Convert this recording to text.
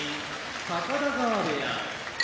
高田川部屋